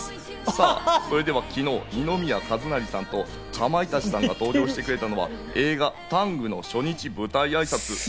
さぁそれでは、昨日、二宮和也さんとかまいたちさんが登場してくれたのは映画『ＴＡＮＧタング』の初日舞台挨拶。